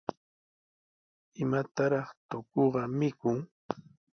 ¿Imataraq tukuqa mikun?